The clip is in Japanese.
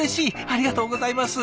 ありがとうございます。